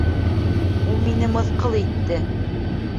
Ул мине мыҫҡыл итте!